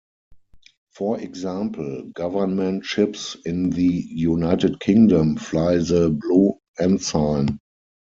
For example, government ships in the United Kingdom fly the Blue Ensign.